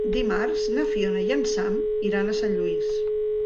Dimarts na Fiona i en Sam iran a Sant Lluís.